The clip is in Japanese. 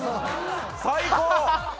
最高！